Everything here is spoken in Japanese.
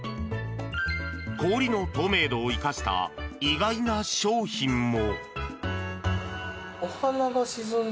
氷の透明度を生かした意外な商品も。